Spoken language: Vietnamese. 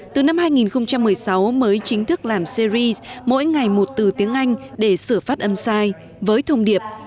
từ năm hai nghìn một mươi sáu mới chính thức làm series mỗi ngày một từ tiếng anh để sửa phát âm sai với thông điệp